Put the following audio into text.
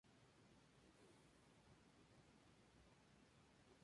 Sus restos fueron encontrados en Utah, Estados Unidos.